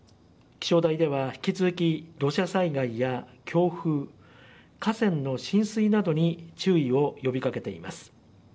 気象台では引き続き土砂災害や強風河川の浸水などに注意を呼びかけています。